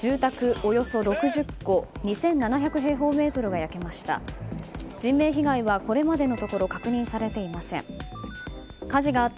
およそ６０戸２７００平方メートルが焼けました。